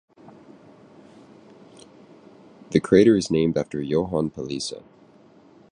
The crater is named after Johann Palisa.